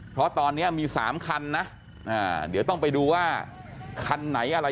เพราะตอนนี้มี๓คันนะเดี๋ยวต้องไปดูว่าคันไหนอะไร